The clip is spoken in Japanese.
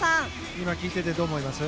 今、聞いていてどう思います？